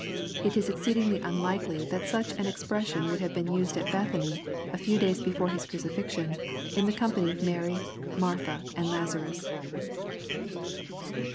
It is exceedingly unUkely that such an expression would have been used at Bethany, a few days before His crucifixion, in the company of Mary, and Martha, and Laza rus.